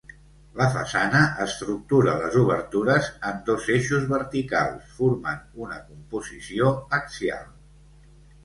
La façana estructura les obertures en dos eixos verticals, formant una composició axial.